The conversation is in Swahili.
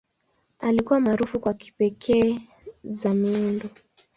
Alikuwa maarufu kwa kipekee za miundo.